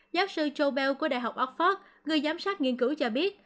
giáo sư joe bell của đại học oxford người giám sát nghiên cứu cho biết